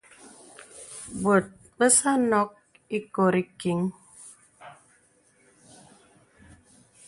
Bòt bəsà à nók īkori kiŋ.